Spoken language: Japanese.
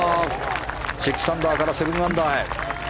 ６アンダーから７アンダーへ。